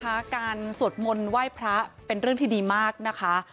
การสวดมนต์ไหว้พระเป็นเรื่องที่ดีมากนะคะ